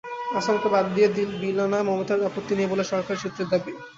আসামকে বাদ দিয়ে বিল আনায় মমতার আপত্তি নেই বলে সরকারি সূত্রের দাবি।